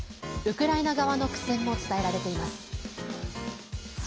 ウクライナ側の苦戦も伝えられています。